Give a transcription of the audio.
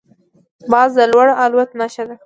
باز د لوړ الوت نښه ده